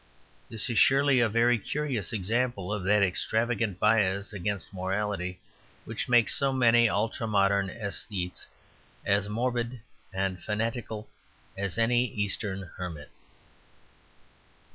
This is surely a very curious example of that extravagant bias against morality which makes so many ultra modern aesthetes as morbid and fanatical as any Eastern hermit.